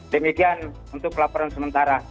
demikian untuk laporan sementara